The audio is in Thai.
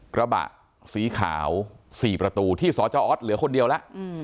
กระบะสีขาวสี่ประตูที่สอเจ้าออสเหลือคนเดียวล่ะอืม